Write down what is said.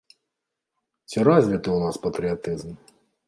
Ці развіты ў нас патрыятызм?